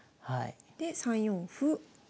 で３四歩。